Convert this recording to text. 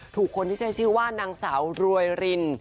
ถูกคนที่ใช้ชื่อว่านางสาวรวยริน